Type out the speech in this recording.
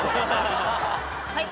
はい。